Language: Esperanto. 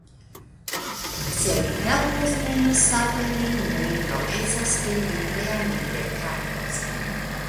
Se vi helpos nin savi lin mi promesas ke li tre amike traktos vin.